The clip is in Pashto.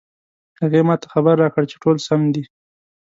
هغې ما ته خبر راکړ چې ټول سم دي